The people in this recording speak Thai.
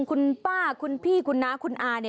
คุณป้าคุณพี่คุณน้าคุณอา